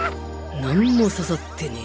何も刺さってねぇ